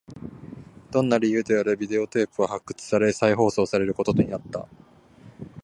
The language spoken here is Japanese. どんな理由であれ、ビデオテープは発掘され、再放送されることになった